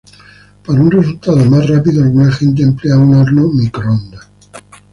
Para un resultado más rápido, alguna gente emplea un horno microondas.